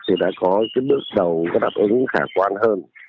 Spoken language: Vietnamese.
thì đã có bước đầu đặt ứng khả quan hơn